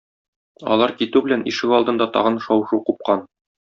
Алар китү белән ишегалдында тагын шау-шу купкан.